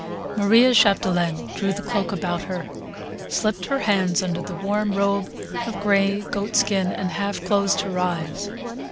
Maria Chapdelaine drew the cloak about her, slipped her hands under the warm robe of gray goat skin and half closed her eyes.